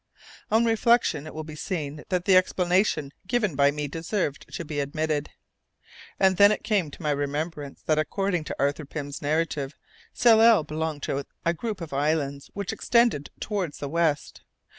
On reflection it will be seen that the explanation given by me deserved to be admitted. And then it came to my remembrance that according to Arthur Pym's narrative, Tsalal belonged to a group of islands which extended towards the west.